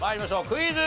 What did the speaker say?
クイズ。